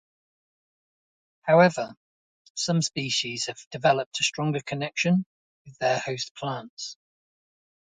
However, some species have developed a stronger connection with their host plants.